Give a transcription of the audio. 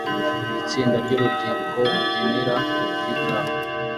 Itsinda ryurubyiruko rubyinira kuri club